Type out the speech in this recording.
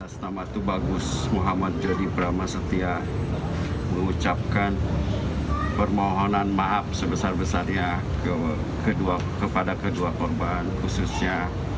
astagfirullahaladzim muhammad jodi pramastia mengucapkan permohonan maaf sebesar besarnya kepada kedua korban khususnya